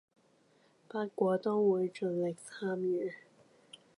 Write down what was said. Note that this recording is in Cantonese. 不過都會盡力參與